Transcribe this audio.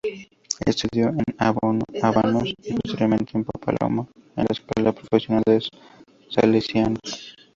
Estudió en Obanos y posteriormente en Pamplona, en la Escuela Profesional de los Salesianos.